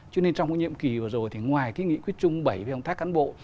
cho nên trong cái nhiệm kỳ vừa rồi thì ngoài cái nghị quyết chung bảy về công tác cán bộ